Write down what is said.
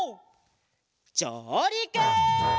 じょうりく！